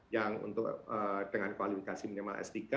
yang untuk dengan kualifikasi minimal s tiga